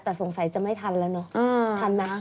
แต่สงสัยจะไม่ทันแล้วเนอะทันไหม